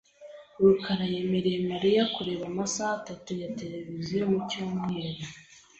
rukara yemereye Mariya kureba amasaha atatu ya tereviziyo mu cyumweru .